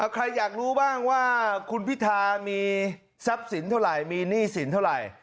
ใครอยากรู้บ้างว่าคุณพิธามีทรัพย์สินเท่าไหร่มีหนี้สินเท่าไหร่